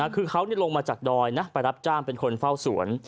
คือเขาลงมาจากดอยนะไปรับจ้างเป็นคนเฝ้าสวน